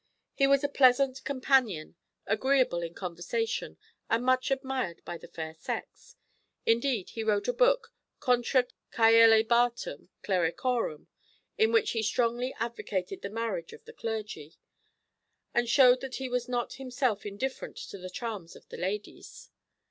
He was a pleasant companion, agreeable in conversation, and much admired by the fair sex. Indeed he wrote a book, Contra Caelibatum Clericorum, in which he strongly advocated the marriage of the clergy, and showed that he was not himself indifferent to the charms of the ladies.